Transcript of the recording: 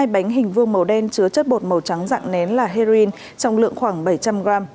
hai bánh hình vuông màu đen chứa chất bột màu trắng dạng nén là heroin trọng lượng khoảng bảy trăm linh gram